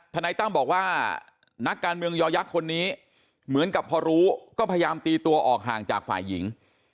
นายตั้มบอกว่านักการเมืองยอยักษ์คนนี้เหมือนกับพอรู้ก็พยายามตีตัวออกห่างจากฝ่ายหญิง